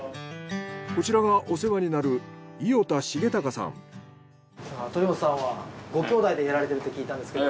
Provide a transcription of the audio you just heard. こちらがお世話になる鳥もとさんはご兄弟でやられてると聞いたんですけど。